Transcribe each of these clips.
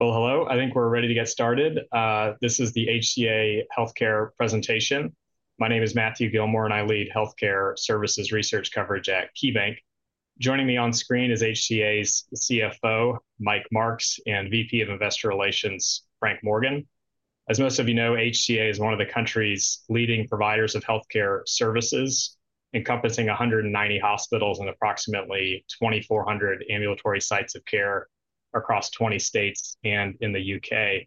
Hello, hello. I think we're ready to get started. This is the HCA Healthcare presentation. My name is Matthew Gillmor, and I lead healthcare services research coverage at KeyBanc. Joining me on screen is HCA's CFO, Mike Marks, and VP of Investor Relations, Frank Morgan. As most of you know, HCA is one of the country's leading providers of healthcare services, encompassing 190 hospitals and approximately 2,400 ambulatory sites of care across 20 states and in the U.K.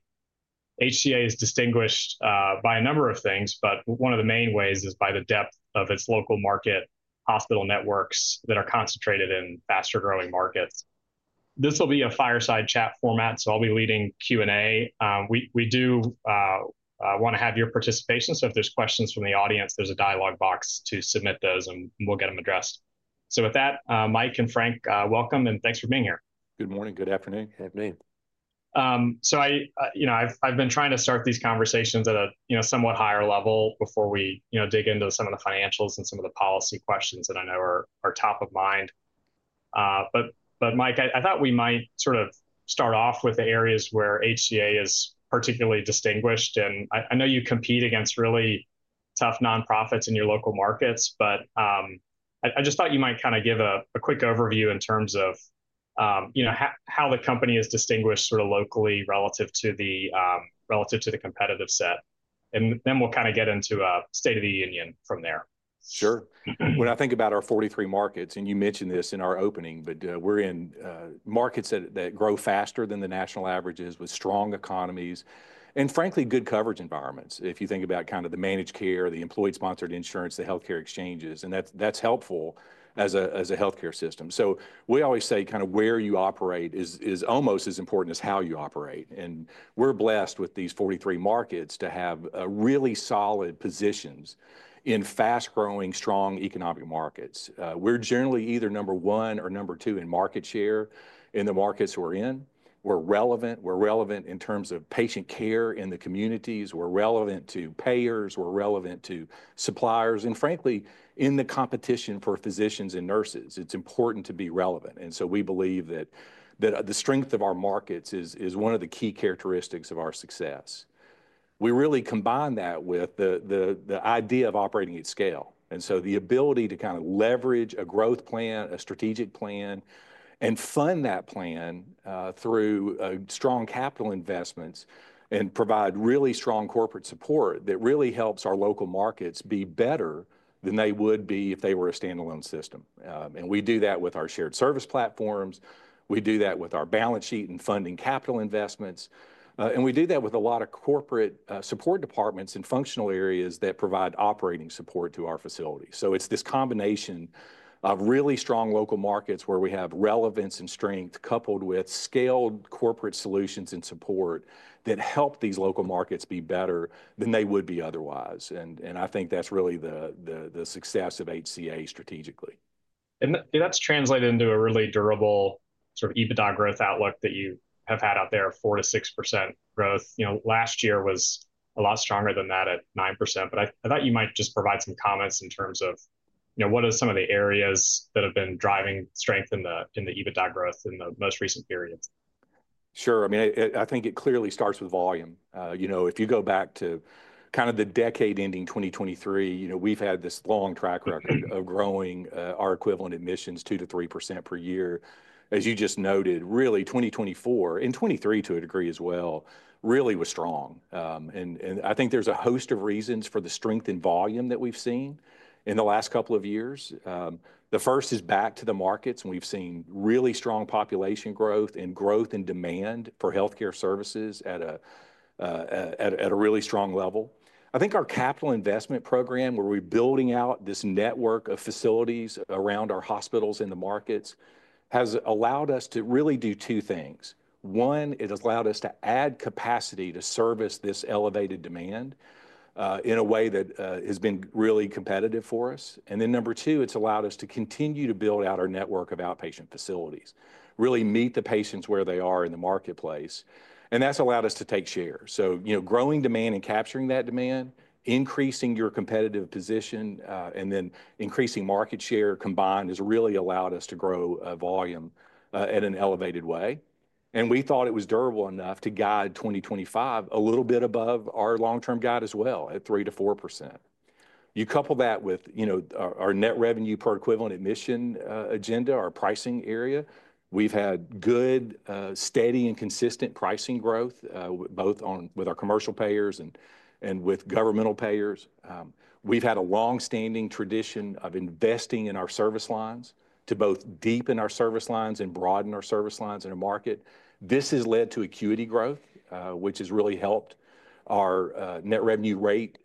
HCA is distinguished by a number of things, but one of the main ways is by the depth of its local market hospital networks that are concentrated in faster-growing markets. This will be a fireside chat format, so I'll be leading Q&A. We do want to have your participation, so if there's questions from the audience, there's a dialogue box to submit those, and we'll get them addressed. With that, Mike and Frank, welcome, and thanks for being here. Good morning. Good afternoon. Good afternoon. I have been trying to start these conversations at a somewhat higher level before we dig into some of the financials and some of the policy questions that I know are top of mind. Mike, I thought we might sort of start off with the areas where HCA is particularly distinguished. I know you compete against really tough non-profits in your local markets, but I just thought you might kind of give a quick overview in terms of how the company is distinguished locally relative to the competitive set. We will kind of get into state of the union from there. Sure. When I think about our 43 markets, and you mentioned this in our opening, we're in markets that grow faster than the national averages with strong economies and, frankly, good coverage environments. If you think about kind of the managed care, the employer-sponsored insurance, the healthcare exchanges, that's helpful as a healthcare system. We always say kind of where you operate is almost as important as how you operate. We're blessed with these 43 markets to have really solid positions in fast-growing, strong economic markets. We're generally either number one or number two in market share in the markets we're in. We're relevant. We're relevant in terms of patient care in the communities. We're relevant to payers. We're relevant to suppliers. Frankly, in the competition for physicians and nurses, it's important to be relevant. We believe that the strength of our markets is one of the key characteristics of our success. We really combine that with the idea of operating at scale. The ability to kind of leverage a growth plan, a strategic plan, and fund that plan through strong capital investments and provide really strong corporate support really helps our local markets be better than they would be if they were a standalone system. We do that with our shared service platforms. We do that with our balance sheet and funding capital investments. We do that with a lot of corporate support departments and functional areas that provide operating support to our facilities. It is this combination of really strong local markets where we have relevance and strength coupled with scaled corporate solutions and support that help these local markets be better than they would be otherwise. I think that is really the success of HCA strategically. That has translated into a really durable sort of EBITDA growth outlook that you have had out there, 4%-6% growth. Last year was a lot stronger than that at 9%. I thought you might just provide some comments in terms of what are some of the areas that have been driving strength in the EBITDA growth in the most recent period? Sure. I mean, I think it clearly starts with volume. If you go back to kind of the decade ending 2023, we've had this long track record of growing our equivalent admissions 2%-3% per year. As you just noted, really 2024 and 2023 to a degree as well really was strong. I think there's a host of reasons for the strength in volume that we've seen in the last couple of years. The first is back to the markets, and we've seen really strong population growth and growth in demand for healthcare services at a really strong level. I think our capital investment program, where we're building out this network of facilities around our hospitals in the markets, has allowed us to really do two things. One, it has allowed us to add capacity to service this elevated demand in a way that has been really competitive for us. Number two, it's allowed us to continue to build out our network of outpatient facilities, really meet the patients where they are in the marketplace. That's allowed us to take share. Growing demand and capturing that demand, increasing your competitive position, and then increasing market share combined has really allowed us to grow volume in an elevated way. We thought it was durable enough to guide 2025 a little bit above our long-term guide as well at 3%-4%. You couple that with our net revenue per equivalent admission agenda, our pricing area, we've had good, steady, and consistent pricing growth both with our commercial payers and with governmental payers. We've had a long-standing tradition of investing in our service lines to both deepen our service lines and broaden our service lines in our market. This has led to acuity growth, which has really helped our net revenue rate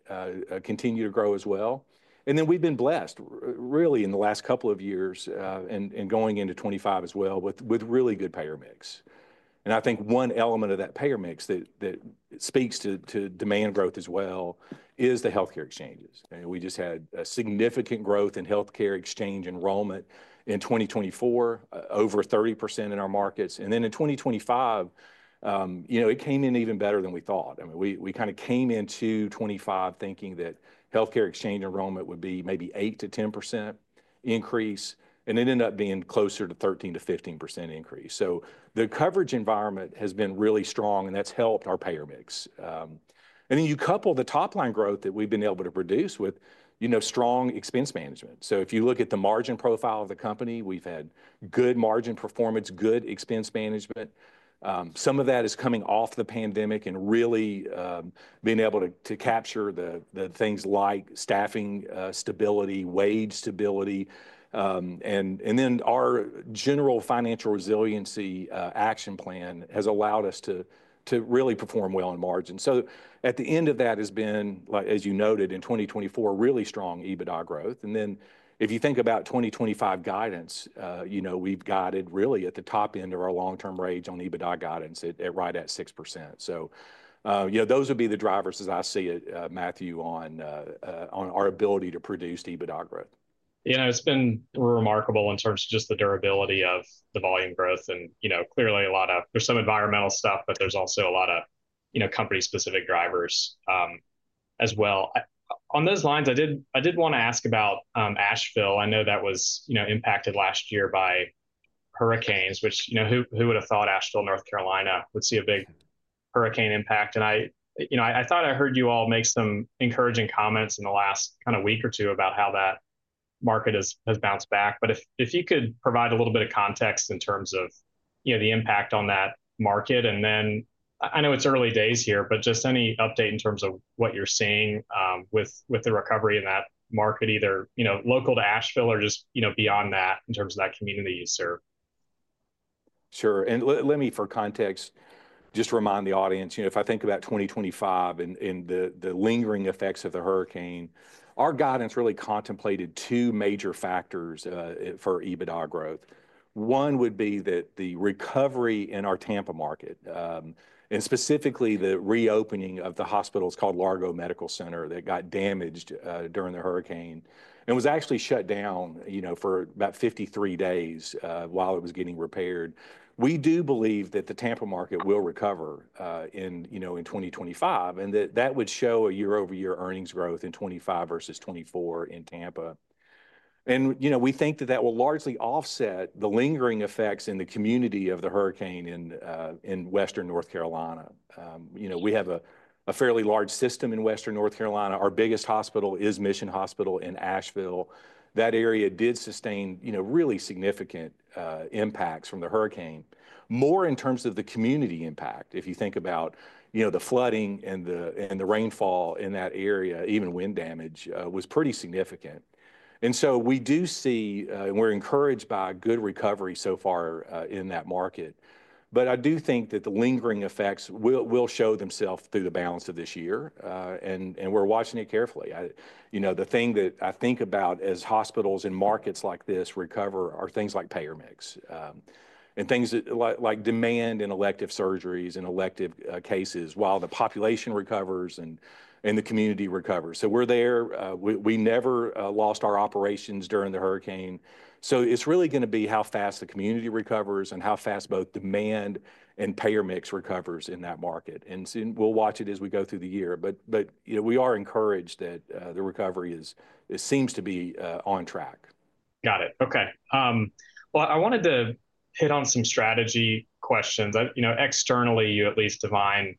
continue to grow as well. We've been blessed, really, in the last couple of years and going into 2025 as well with really good payer mix. I think one element of that payer mix that speaks to demand growth as well is the healthcare exchanges. We just had significant growth in healthcare exchange enrollment in 2024, over 30% in our markets. In 2025, it came in even better than we thought. I mean, we kind of came into 2025 thinking that healthcare exchange enrollment would be maybe 8%-10% increase, and it ended up being closer to 13%-15% increase. The coverage environment has been really strong, and that's helped our payer mix. You couple the top-line growth that we've been able to produce with strong expense management. If you look at the margin profile of the company, we've had good margin performance, good expense management. Some of that is coming off the pandemic and really being able to capture the things like staffing stability, wage stability. Our general financial resiliency action plan has allowed us to really perform well on margin. At the end of that has been, as you noted, in 2024, really strong EBITDA growth. If you think about 2025 guidance, we've guided really at the top end of our long-term range on EBITDA guidance right at 6%. Those would be the drivers, as I see it, Matthew, on our ability to produce EBITDA growth. Yeah, it's been remarkable in terms of just the durability of the volume growth. Clearly, a lot of there's some environmental stuff, but there's also a lot of company-specific drivers as well. On those lines, I did want to ask about Asheville. I know that was impacted last year by hurricanes, which who would have thought Asheville, North Carolina, would see a big hurricane impact? I thought I heard you all make some encouraging comments in the last kind of week or two about how that market has bounced back. If you could provide a little bit of context in terms of the impact on that market. I know it's early days here, but just any update in terms of what you're seeing with the recovery in that market, either local to Asheville or just beyond that in terms of that community you serve. Sure. Let me, for context, just remind the audience. If I think about 2025 and the lingering effects of the hurricane, our guidance really contemplated two major factors for EBITDA growth. One would be the recovery in our Tampa market, and specifically the reopening of the hospital called Largo Medical Center that got damaged during the hurricane and was actually shut down for about 53 days while it was getting repaired. We do believe that the Tampa market will recover in 2025, and that that would show a year-over-year earnings growth in 2025 versus 2024 in Tampa. We think that that will largely offset the lingering effects in the community of the hurricane in western North Carolina. We have a fairly large system in western North Carolina. Our biggest hospital is Mission Hospital in Asheville. That area did sustain really significant impacts from the hurricane, more in terms of the community impact. If you think about the flooding and the rainfall in that area, even wind damage was pretty significant. We do see, and we're encouraged by, good recovery so far in that market. I do think that the lingering effects will show themselves through the balance of this year. We're watching it carefully. The thing that I think about as hospitals and markets like this recover are things like payer mix and things like demand and elective surgeries and elective cases while the population recovers and the community recovers. We're there. We never lost our operations during the hurricane. It's really going to be how fast the community recovers and how fast both demand and payer mix recovers in that market. We will watch it as we go through the year. We are encouraged that the recovery seems to be on track. Got it. Okay. I wanted to hit on some strategy questions. Externally, you at least define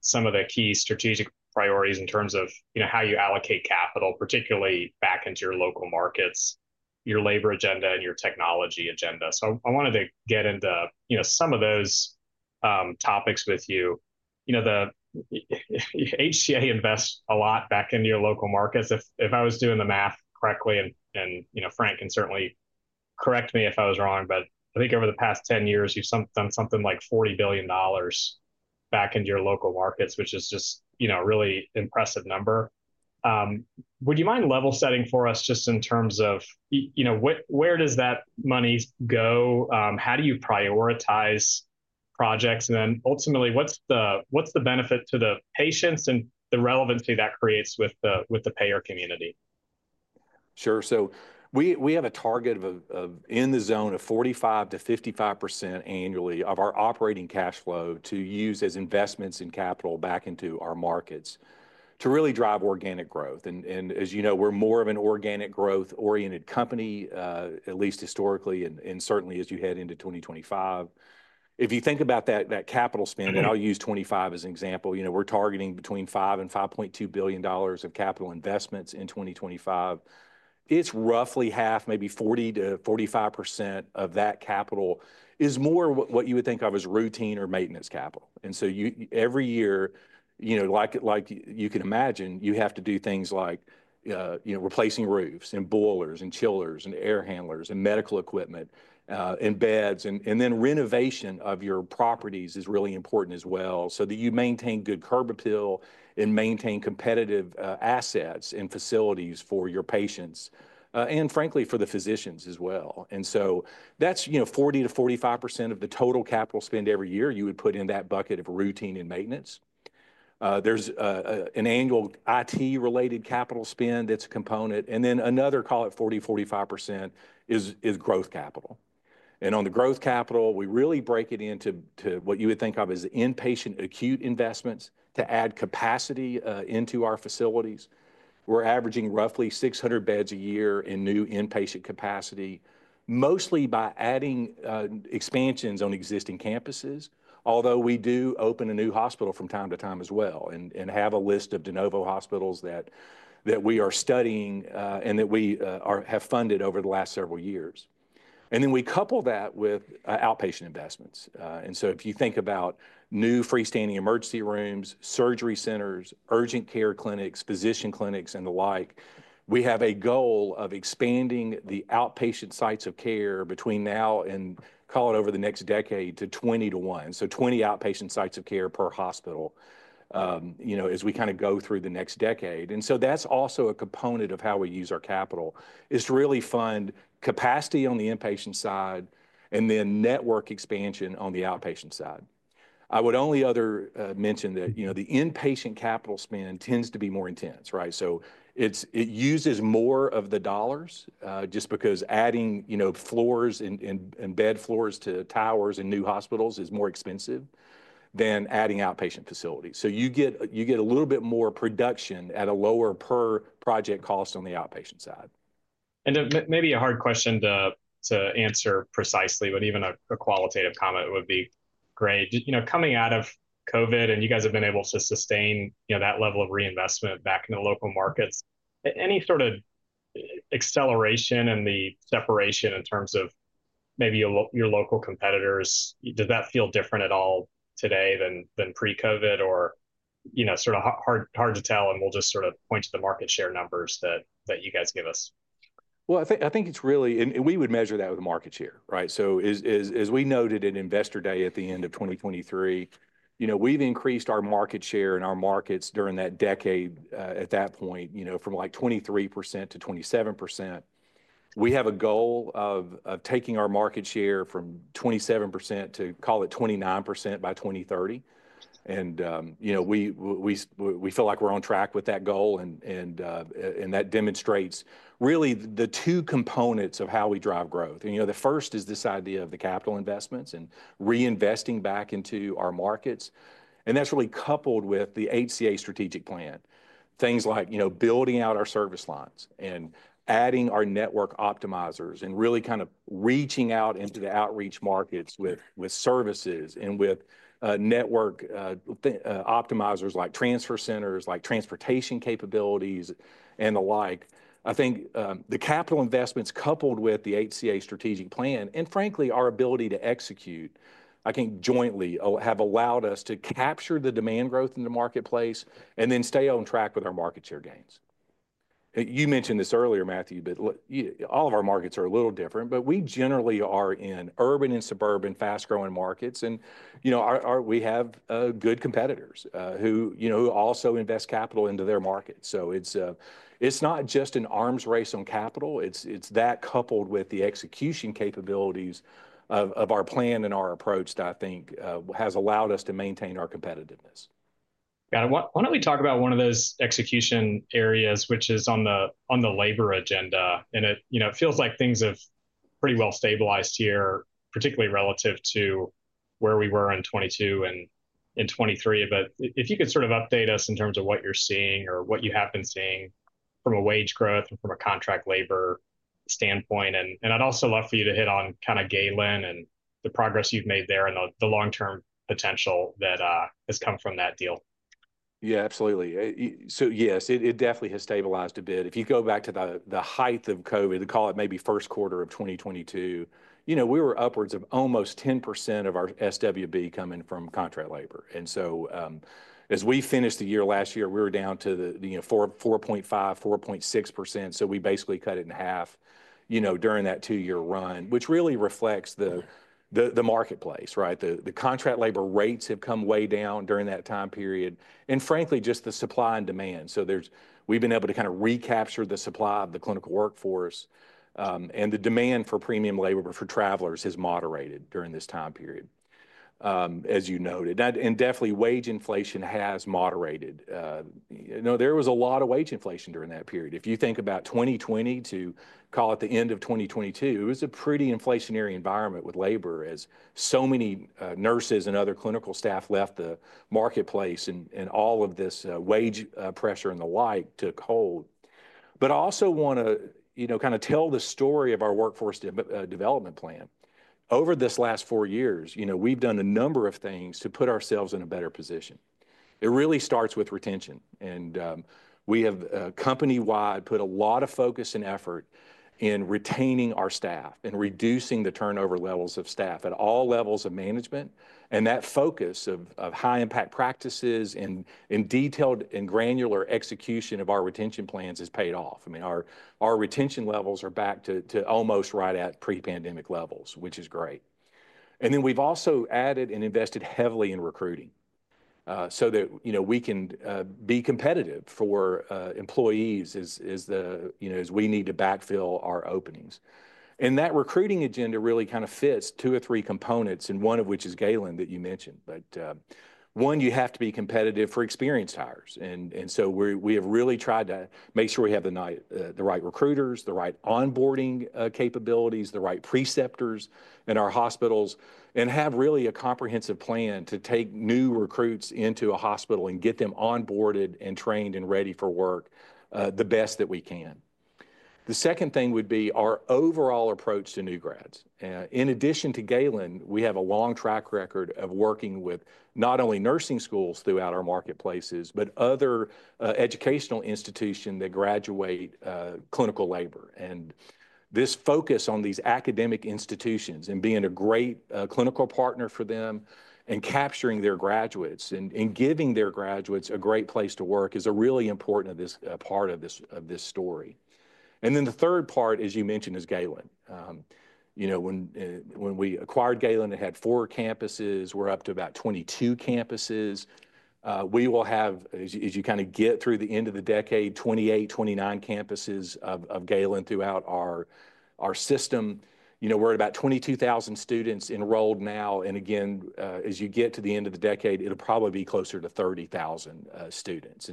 some of the key strategic priorities in terms of how you allocate capital, particularly back into your local markets, your labor agenda, and your technology agenda. I wanted to get into some of those topics with you. HCA invests a lot back into your local markets. If I was doing the math correctly, and Frank can certainly correct me if I was wrong, but I think over the past 10 years, you've done something like $40 billion back into your local markets, which is just a really impressive number. Would you mind level-setting for us just in terms of where does that money go? How do you prioritize projects? Ultimately, what's the benefit to the patients and the relevancy that creates with the payer community? Sure. We have a target in the zone of 45%-55% annually of our operating cash flow to use as investments in capital back into our markets to really drive organic growth. As you know, we're more of an organic growth-oriented company, at least historically, and certainly as you head into 2025. If you think about that capital spend, and I'll use 2025 as an example, we're targeting between $5 billion and $5.2 billion of capital investments in 2025. It's roughly half, maybe 40%-45% of that capital is more what you would think of as routine or maintenance capital. Every year, like you can imagine, you have to do things like replacing roofs and boilers and chillers and air handlers and medical equipment and beds. Renovation of your properties is really important as well so that you maintain good curb appeal and maintain competitive assets and facilities for your patients and, frankly, for the physicians as well. That is 40%-45% of the total capital spend every year you would put in that bucket of routine and maintenance. There is an annual IT-related capital spend that is a component. Another, call it 40%-45%, is growth capital. On the growth capital, we really break it into what you would think of as inpatient acute investments to add capacity into our facilities. We're averaging roughly 600 beds a year in new inpatient capacity, mostly by adding expansions on existing campuses, although we do open a new hospital from time to time as well and have a list of de novo hospitals that we are studying and that we have funded over the last several years. We couple that with outpatient investments. If you think about new freestanding emergency rooms, surgery centers, urgent care clinics, physician clinics, and the like, we have a goal of expanding the outpatient sites of care between now and, call it, over the next decade to 2021, so 20 outpatient sites of care per hospital as we kind of go through the next decade. That's also a component of how we use our capital is to really fund capacity on the inpatient side and then network expansion on the outpatient side. I would only other mention that the inpatient capital spend tends to be more intense. It uses more of the dollars just because adding floors and bed floors to towers in new hospitals is more expensive than adding outpatient facilities. You get a little bit more production at a lower per project cost on the outpatient side. Maybe a hard question to answer precisely, but even a qualitative comment would be great. Coming out of COVID, and you guys have been able to sustain that level of reinvestment back into local markets, any sort of acceleration in the separation in terms of maybe your local competitors? Does that feel different at all today than pre-COVID or sort of hard to tell? We will just sort of point to the market share numbers that you guys give us. I think it's really, and we would measure that with the market share. As we noted at Investor Day at the end of 2023, we've increased our market share in our markets during that decade at that point from like 23%-27%. We have a goal of taking our market share from 27% to, call it, 29% by 2030. We feel like we're on track with that goal. That demonstrates really the two components of how we drive growth. The first is this idea of the capital investments and reinvesting back into our markets. That's really coupled with the HCA strategic plan, things like building out our service lines and adding our network optimizers and really kind of reaching out into the outreach markets with services and with network optimizers like transfer centers, like transportation capabilities, and the like. I think the capital investments coupled with the HCA strategic plan and, frankly, our ability to execute, I think jointly have allowed us to capture the demand growth in the marketplace and then stay on track with our market share gains. You mentioned this earlier, Matthew, but all of our markets are a little different, but we generally are in urban and suburban fast-growing markets. We have good competitors who also invest capital into their markets. It is not just an arms race on capital. It is that coupled with the execution capabilities of our plan and our approach that I think has allowed us to maintain our competitiveness. Got it. Why do not we talk about one of those execution areas, which is on the labor agenda? It feels like things have pretty well stabilized here, particularly relative to where we were in 2022 and in 2023. If you could sort of update us in terms of what you are seeing or what you have been seeing from a wage growth and from a contract labor standpoint. I would also love for you to hit on kind of GALEN and the progress you have made there and the long-term potential that has come from that deal. Yeah, absolutely. Yes, it definitely has stabilized a bit. If you go back to the height of COVID, call it maybe first quarter of 2022, we were upwards of almost 10% of our SWB coming from contract labor. As we finished the year last year, we were down to 4.5%, 4.6%. We basically cut it in half during that two-year run, which really reflects the marketplace. The contract labor rates have come way down during that time period. Frankly, just the supply and demand. We have been able to kind of recapture the supply of the clinical workforce. The demand for premium labor for travellers has moderated during this time period, as you noted. Definitely, wage inflation has moderated. There was a lot of wage inflation during that period. If you think about 2020 to call it the end of 2022, it was a pretty inflationary environment with labor as so many nurses and other clinical staff left the marketplace and all of this wage pressure and the like took hold. I also want to kind of tell the story of our workforce development plan. Over this last four years, we've done a number of things to put ourselves in a better position. It really starts with retention. We have company-wide put a lot of focus and effort in retaining our staff and reducing the turnover levels of staff at all levels of management. That focus of high-impact practices and detailed and granular execution of our retention plans has paid off. I mean, our retention levels are back to almost right at pre-pandemic levels, which is great. We have also added and invested heavily in recruiting so that we can be competitive for employees as we need to backfill our openings. That recruiting agenda really kind of fits two or three components, and one of which is GALEN that you mentioned. One, you have to be competitive for experienced hires. We have really tried to make sure we have the right recruiters, the right onboarding capabilities, the right preceptors in our hospitals, and have really a comprehensive plan to take new recruits into a hospital and get them onboarded and trained and ready for work the best that we can. The second thing would be our overall approach to new grads. In addition to GALEN, we have a long track record of working with not only nursing schools throughout our marketplaces, but other educational institutions that graduate clinical labor. This focus on these academic institutions and being a great clinical partner for them and capturing their graduates and giving their graduates a great place to work is a really important part of this story. The third part, as you mentioned, is GALEN. When we acquired GALEN, it had four campuses. We're up to about 22 campuses. We will have, as you kind of get through the end of the decade, 28-29 campuses of GALEN throughout our system. We're at about 22,000 students enrolled now. Again, as you get to the end of the decade, it'll probably be closer to 30,000 students.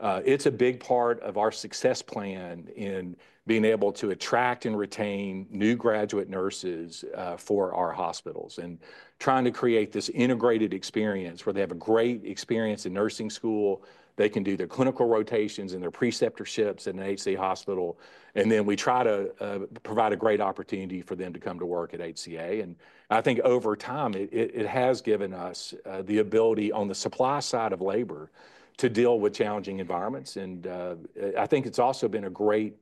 It's a big part of our success plan in being able to attract and retain new graduate nurses for our hospitals and trying to create this integrated experience where they have a great experience in nursing school. They can do their clinical rotations and their preceptorships in an HCA hospital. We try to provide a great opportunity for them to come to work at HCA. I think over time, it has given us the ability on the supply side of labor to deal with challenging environments. I think it has also been a great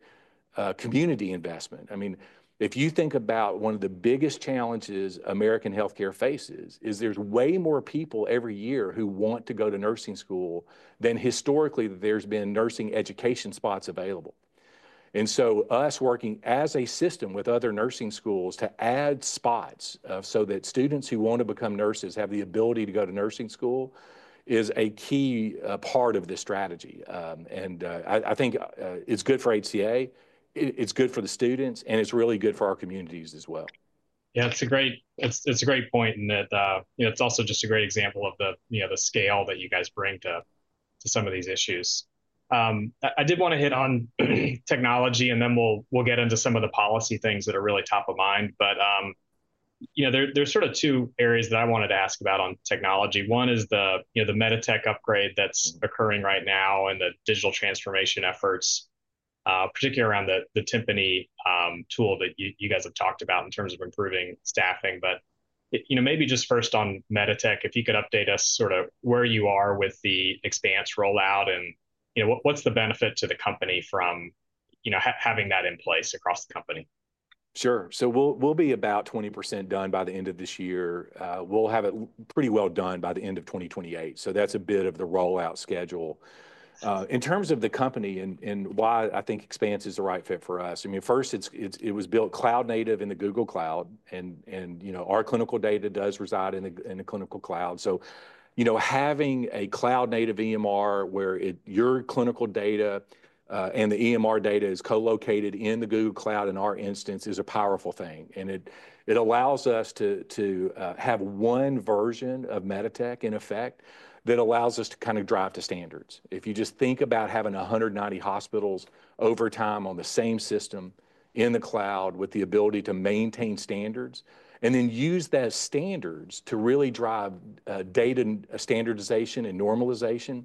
community investment. I mean, if you think about one of the biggest challenges American healthcare faces, there are way more people every year who want to go to nursing school than historically there have been nursing education spots available. Us working as a system with other nursing schools to add spots so that students who want to become nurses have the ability to go to nursing school is a key part of this strategy. I think it is good for HCA. It's good for the students, and it's really good for our communities as well. Yeah, it's a great point in that it's also just a great example of the scale that you guys bring to some of these issues. I did want to hit on technology, and then we'll get into some of the policy things that are really top of mind. There's sort of two areas that I wanted to ask about on technology. One is the Meditech upgrade that's occurring right now and the digital transformation efforts, particularly around the Timpani tool that you guys have talked about in terms of improving staffing. Maybe just first on Meditech, if you could update us sort of where you are with the Expanse rollout and what's the benefit to the company from having that in place across the company? Sure. We'll be about 20% done by the end of this year. We'll have it pretty well done by the end of 2028. That's a bit of the rollout schedule. In terms of the company and why I think Expanse is the right fit for us, I mean, first, it was built cloud-native in the Google Cloud. Our clinical data does reside in the clinical cloud. Having a cloud-native EMR where your clinical data and the EMR data is co-located in the Google Cloud in our instance is a powerful thing. It allows us to have one version of Meditech in effect that allows us to kind of drive to standards. If you just think about having 190 hospitals over time on the same system in the cloud with the ability to maintain standards and then use those standards to really drive data standardization and normalization,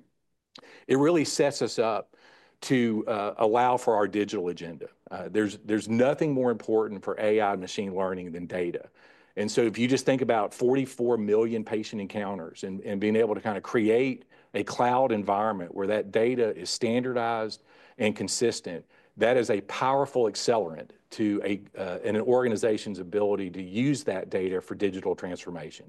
it really sets us up to allow for our digital agenda. There's nothing more important for AI and machine learning than data. If you just think about 44 million patient encounters and being able to kind of create a cloud environment where that data is standardized and consistent, that is a powerful accelerant to an organization's ability to use that data for digital transformation.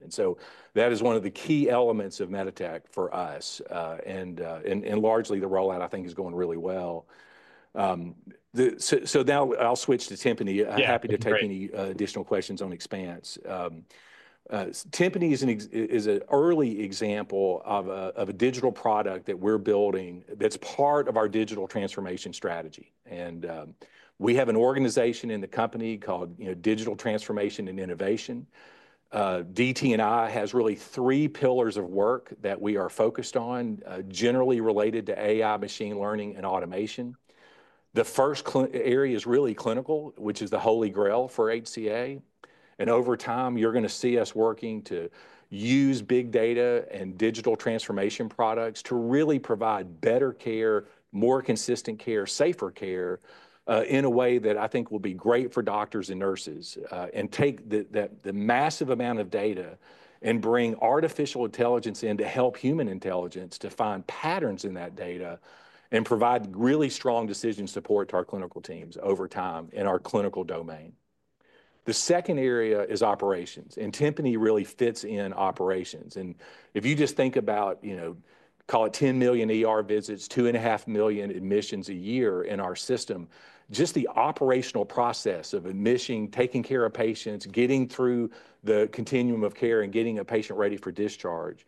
That is one of the key elements of Meditech for us. Largely, the rollout, I think, is going really well. Now I'll switch to Timpani. I'm happy to take any additional questions on Expanse. Timpani is an early example of a digital product that we're building that's part of our digital transformation strategy. We have an organization in the company called Digital Transformation and Innovation. DT&I has really three pillars of work that we are focused on generally related to AI, machine learning, and automation. The first area is really clinical, which is the holy grail for HCA. Over time, you're going to see us working to use big data and digital transformation products to really provide better care, more consistent care, safer care in a way that I think will be great for doctors and nurses and take the massive amount of data and bring artificial intelligence in to help human intelligence to find patterns in that data and provide really strong decision support to our clinical teams over time in our clinical domain. The second area is Operations. Timpani really fits in Operations. If you just think about, call it 10 million visits, 2.5 million admissions a year in our system, just the operational process of admission, taking care of patients, getting through the continuum of care, and getting a patient ready for discharge,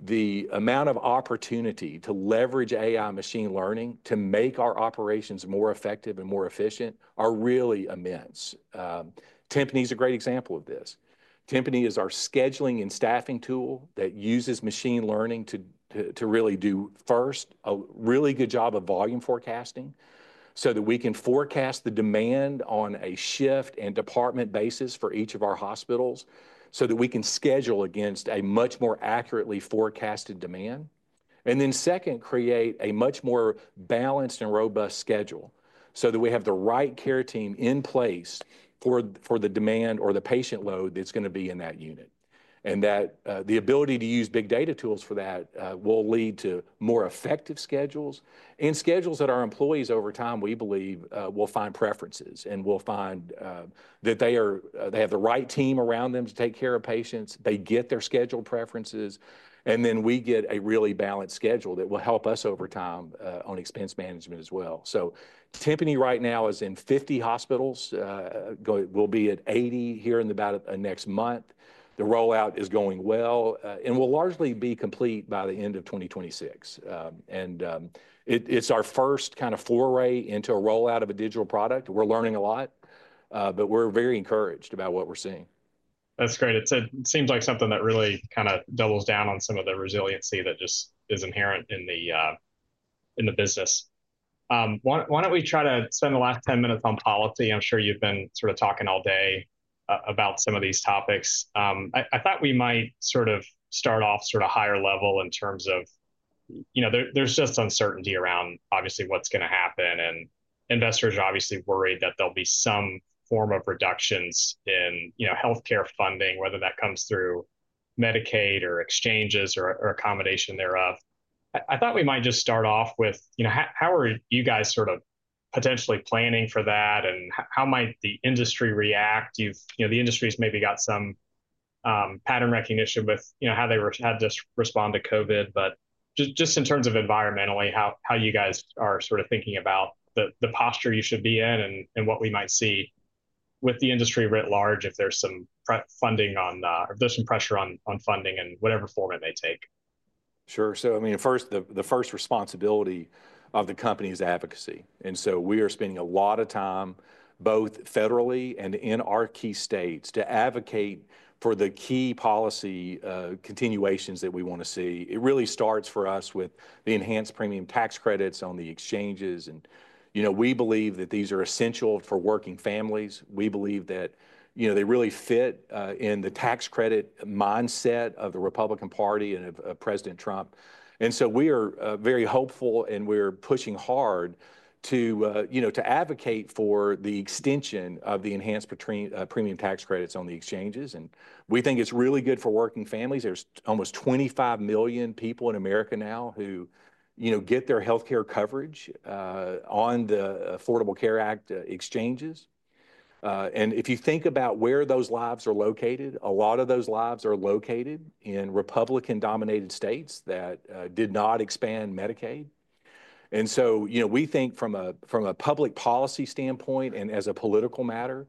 the amount of opportunity to leverage AI machine learning to make our operations more effective and more efficient are really immense. Timpani is a great example of this. Timpani is our scheduling and staffing tool that uses machine learning to really do first a really good job of volume forecasting so that we can forecast the demand on a shift and department basis for each of our hospitals so that we can schedule against a much more accurately forecasted demand. Create a much more balanced and robust schedule so that we have the right care team in place for the demand or the patient load that's going to be in that unit. The ability to use big data tools for that will lead to more effective schedules and schedules that our employees over time, we believe, will find preferences and will find that they have the right team around them to take care of patients. They get their scheduled preferences. We get a really balanced schedule that will help us over time on expense management as well. Timpani right now is in 50 hospitals. We'll be at 80 here in about next month. The rollout is going well and will largely be complete by the end of 2026. It's our first kind of foray into a rollout of a digital product. We're learning a lot, but we're very encouraged about what we're seeing. That's great. It seems like something that really kind of doubles down on some of the resiliency that just is inherent in the business. Why don't we try to spend the last 10 minutes on policy? I'm sure you've been sort of talking all day about some of these topics. I thought we might sort of start off sort of higher level in terms of there's just uncertainty around obviously what's going to happen. Investors are obviously worried that there'll be some form of reductions in healthcare funding, whether that comes through Medicaid or exchanges or a combination thereof. I thought we might just start off with how are you guys sort of potentially planning for that and how might the industry react? The industry's maybe got some pattern recognition with how they had to respond to COVID. Just in terms of environmentally, how you guys are sort of thinking about the posture you should be in and what we might see with the industry writ large if there's some pressure on funding in whatever form it may take. Sure. I mean, the first responsibility of the company is advocacy. We are spending a lot of time both federally and in our key states to advocate for the key policy continuations that we want to see. It really starts for us with the enhanced premium tax credits on the exchanges. We believe that these are essential for working families. We believe that they really fit in the tax credit mindset of the Republican Party and of President Trump. We are very hopeful and we're pushing hard to advocate for the extension of the enhanced premium tax credits on the exchanges. We think it's really good for working families. There's almost 25 million people in America now who get their healthcare coverage on the Affordable Care Act exchanges. If you think about where those lives are located, a lot of those lives are located in Republican-dominated states that did not expand Medicaid. We think from a public policy standpoint and as a political matter,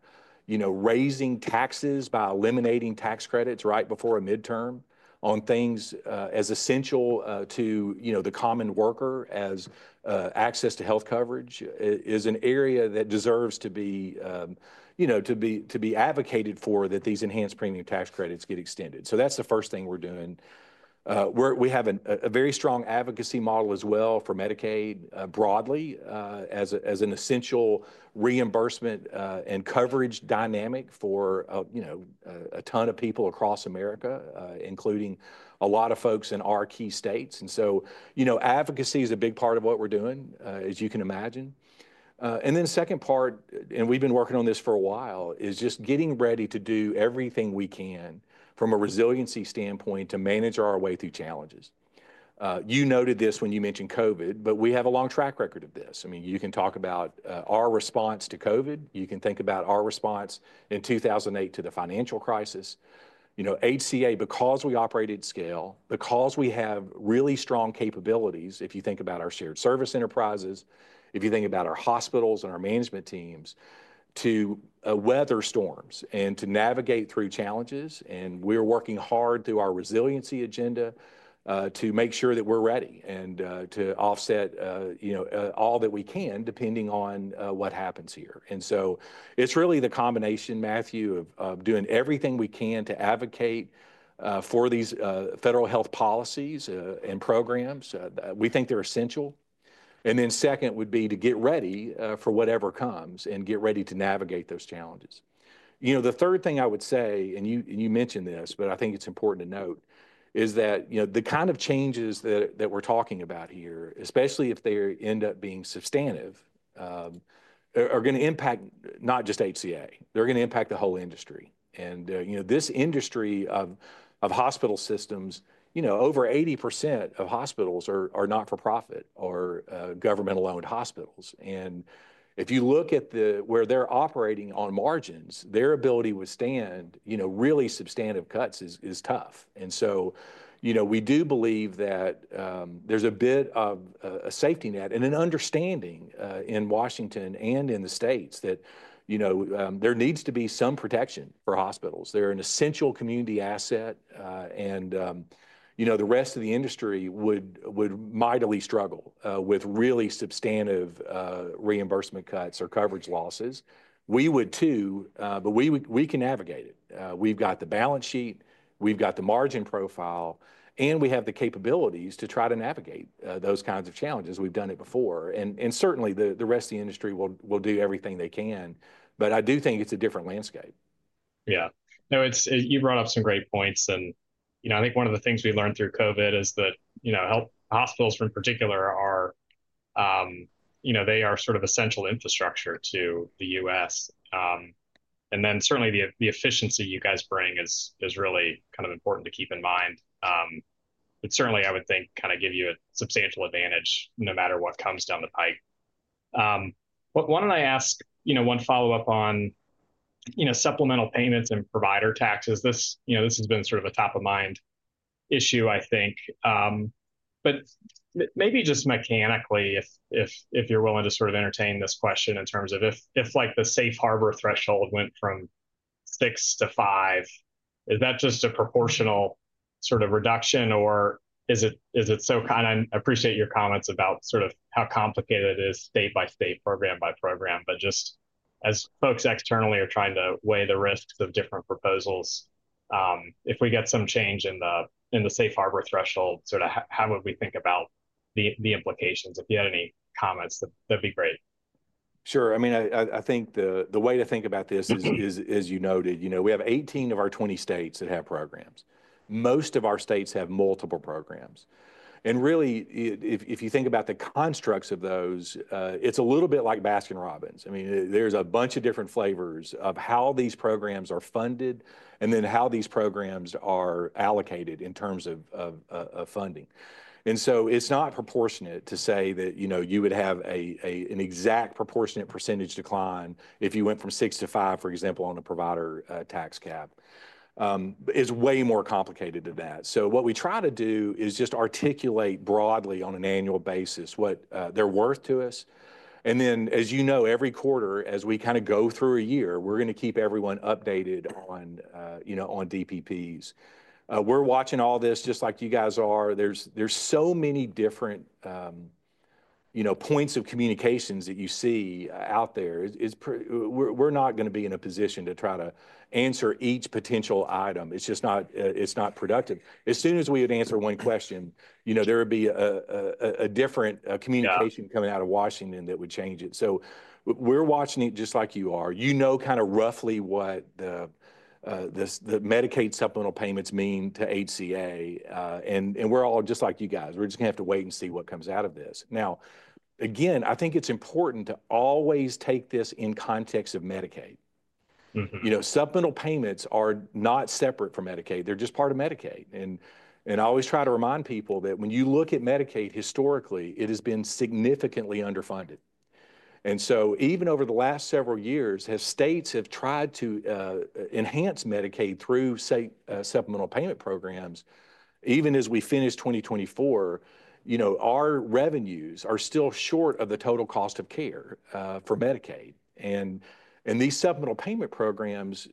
raising taxes by eliminating tax credits right before a midterm on things as essential to the common worker as access to health coverage is an area that deserves to be advocated for that these enhanced premium tax credits get extended. That is the first thing we are doing. We have a very strong advocacy model as well for Medicaid broadly as an essential reimbursement and coverage dynamic for a ton of people across America, including a lot of folks in our key states. Advocacy is a big part of what we are doing, as you can imagine. The second part, and we've been working on this for a while, is just getting ready to do everything we can from a resiliency standpoint to manage our way through challenges. You noted this when you mentioned COVID, but we have a long track record of this. I mean, you can talk about our response to COVID. You can think about our response in 2008 to the financial crisis. HCA, because we operate at scale, because we have really strong capabilities, if you think about our shared service enterprises, if you think about our hospitals and our management teams, to weather storms and to navigate through challenges. We're working hard through our resiliency agenda to make sure that we're ready and to offset all that we can depending on what happens here. It is really the combination, Matthew, of doing everything we can to advocate for these federal health policies and programs. We think they're essential. The second would be to get ready for whatever comes and get ready to navigate those challenges. The third thing I would say, and you mentioned this, but I think it's important to note, is that the kind of changes that we're talking about here, especially if they end up being substantive, are going to impact not just HCA. They're going to impact the whole industry. This industry of hospital systems, over 80% of hospitals are not-for-profit or government-owned hospitals. If you look at where they're operating on margins, their ability to withstand really substantive cuts is tough. We do believe that there's a bit of a safety net and an understanding in Washington and in the states that there needs to be some protection for hospitals. They're an essential community asset. The rest of the industry would mightily struggle with really substantive reimbursement cuts or coverage losses. We would too, but we can navigate it. We've got the balance sheet. We've got the margin profile. We have the capabilities to try to navigate those kinds of challenges. We've done it before. Certainly, the rest of the industry will do everything they can. I do think it's a different landscape. Yeah. No, you brought up some great points. I think one of the things we learned through COVID is that hospitals in particular, they are sort of essential infrastructure to the U.S. Certainly, the efficiency you guys bring is really kind of important to keep in mind. It certainly, I would think, kind of gives you a substantial advantage no matter what comes down the pike. Why do I not ask one follow-up on supplemental payments and provider taxes? This has been sort of a top-of-mind issue, I think. Maybe just mechanically, if you're willing to sort of entertain this question in terms of if the safe harbor threshold went from six to five, is that just a proportional sort of reduction or is it so kind of I appreciate your comments about sort of how complicated it is state by state, program by program. Just as folks externally are trying to weigh the risks of different proposals, if we get some change in the safe harbor threshold, sort of how would we think about the implications? If you had any comments, that'd be great. Sure. I mean, I think the way to think about this is, as you noted, we have 18 of our 20 states that have programs. Most of our states have multiple programs. And really, if you think about the constructs of those, it's a little bit like Baskin-Robbins. I mean, there's a bunch of different flavors of how these programs are funded and then how these programs are allocated in terms of funding. It is not proportionate to say that you would have an exact proportionate percentage decline if you went from six to five, for example, on a provider tax cap. It is way more complicated than that. What we try to do is just articulate broadly on an annual basis what they're worth to us. As you know, every quarter, as we kind of go through a year, we're going to keep everyone updated on DPPs. We're watching all this just like you guys are. There are so many different points of communications that you see out there. We're not going to be in a position to try to answer each potential item. It's not productive. As soon as we would answer one question, there would be a different communication coming out of Washington that would change it. We're watching it just like you are. You know kind of roughly what the Medicaid supplemental payments mean to HCA. We're all just like you guys. We're just going to have to wait and see what comes out of this. I think it's important to always take this in context of Medicaid. Supplemental payments are not separate from Medicaid. They're just part of Medicaid. I always try to remind people that when you look at Medicaid, historically, it has been significantly underfunded. Even over the last several years, as states have tried to enhance Medicaid through supplemental payment programs, even as we finish 2024, our revenues are still short of the total cost of care for Medicaid. These supplemental payment programs,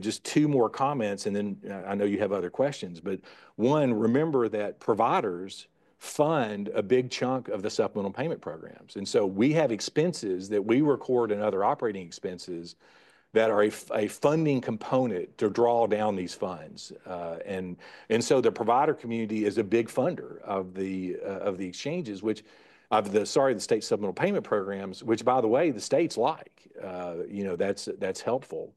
just two more comments, and then I know you have other questions, but one, remember that providers fund a big chunk of the supplemental payment programs. We have expenses that we record in other operating expenses that are a funding component to draw down these funds. The provider community is a big funder of the exchanges, sorry, the state supplemental payment programs, which, by the way, the states like. That's helpful.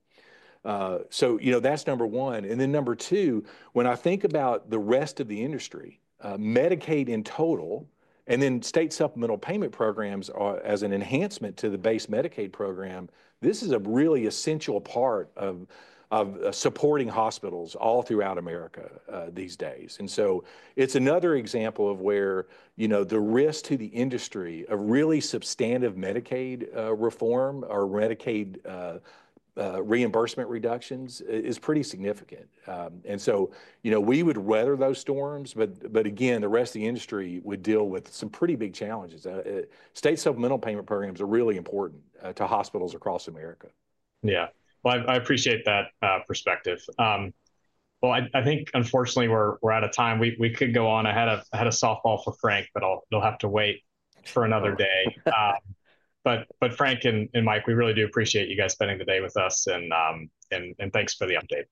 That's number one. Number two, when I think about the rest of the industry, Medicaid in total, and then state supplemental payment programs as an enhancement to the base Medicaid program, this is a really essential part of supporting hospitals all throughout America these days. It is another example of where the risk to the industry of really substantive Medicaid reform or Medicaid reimbursement reductions is pretty significant. We would weather those storms, but again, the rest of the industry would deal with some pretty big challenges. State supplemental payment programs are really important to hospitals across America. Yeah. I appreciate that perspective. I think, unfortunately, we're out of time. We could go on. I had a softball for Frank, but it'll have to wait for another day. Frank and Mike, we really do appreciate you guys spending the day with us. Thanks for the update.